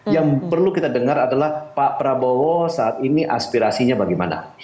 yang perlu kita dengar adalah pak prabowo saat ini aspirasinya bagaimana